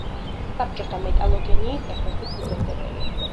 საბჭოთა მეტალოგენიის ერთ-ერთი ფუძემდებელი.